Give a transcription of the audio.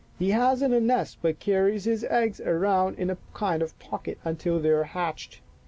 He hasn't a nest, but carries his eggs around in a kind of a pocket until they are hatched."